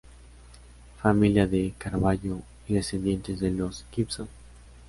Familia de Carvallo y descendiente de los Gibson.